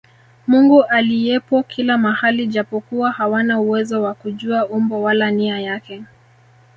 Mungu aliyepo kila mahali japokuwa hawana uwezo wa kujua umbo wala nia yake